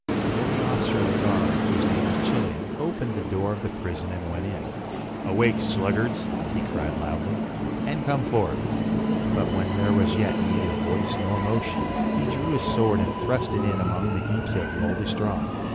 Then the officer of the guard, whose name was Chilion, opened the door of the prison and went in. "Awake, sluggards!" he cried loudly, "and come forth." But when there was yet neither voice nor motion, he drew his sword and thrust it in among the heaps of mouldy straw.